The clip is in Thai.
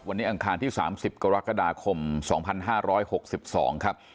วันนี้อังคารที่๓๐กรกฎาคม๒๕๖๒ครับ